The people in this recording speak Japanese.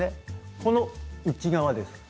その内側です。